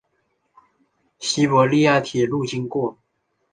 西伯利亚铁路经过。